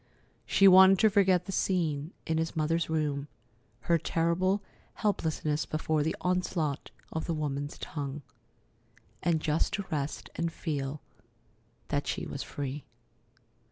She wanted to forget the scene in his mother's room, her terrible helplessness before the onslaught of the woman's tongue; and just to rest and feel that she was free.